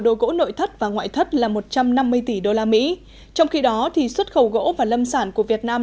đồ gỗ nội thất và ngoại thất là một trăm năm mươi tỷ đô la mỹ trong khi đó xuất khẩu gỗ và lâm sản của việt nam